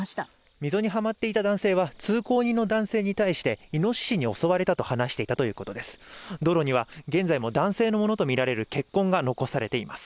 溝にはまっていた男性は通行人の男性に対してイノシシに襲われたと話していたということです。